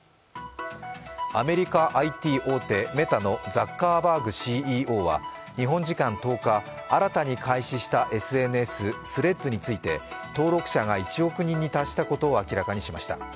アメリカＩＴ大手メタのザッカーバーグＣＥＯは日本時間１０日、新たに開始したＳＮＳ、Ｔｈｒｅａｄｓについて登録者が１億人に達したことを明らかにしました。